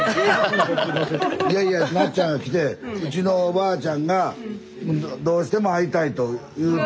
いやいやなっちゃんが来てうちのおばあちゃんがどうしても会いたいと。